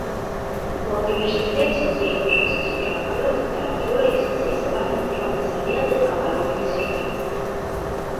Ва ўніверсітэце дзейнічаюць аспірантура, дактарантура і спецыялізаваныя вучоныя саветы па абароне дысертацый.